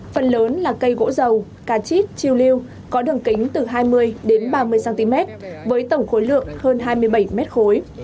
phần lớn là cây gỗ dầu cà chít chiêu lưu có đường kính từ hai mươi đến ba mươi cm với tổng khối lượng hơn hai mươi bảy mét khối